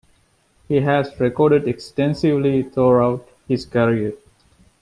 He has recorded extensively throughout his career.